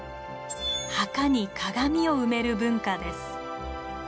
墓に鏡を埋める文化です。